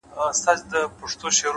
وخت د ارادې ملګری نه انتظار؛